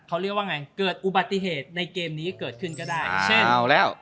เขาเรียกว่าไงเกิดอุบัติเหตุในเกมนี้เกิดขึ้นก็ได้เช่นเอาแล้ว